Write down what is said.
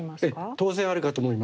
当然あるかと思います。